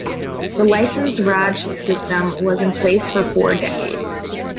The Licence Raj system was in place for four decades.